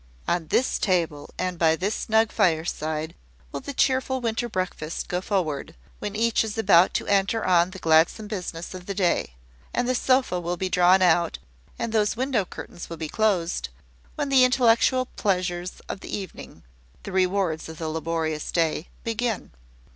On this table, and by this snug fireside, will the cheerful winter breakfast go forward, when each is about to enter on the gladsome business of the day; and that sofa will be drawn out, and those window curtains will be closed, when the intellectual pleasures of the evening the rewards of the laborious day begin.